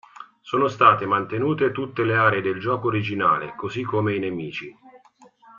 Sono state mantenute tutte le aree del gioco originale, così come i nemici.